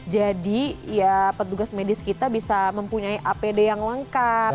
jadi ya petugas medis kita bisa mempunyai apd yang lengkap